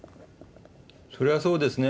そりゃそうですね。